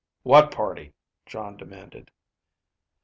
"What party?" Jon demanded.